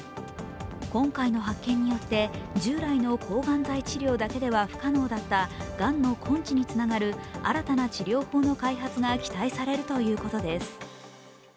今回の発見によって従来の抗がん剤治療だけでは不可能だったがんの根治につながる新たな治療法の開発が期待されるということです。